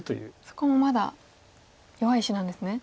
そこもまだ弱い石なんですね。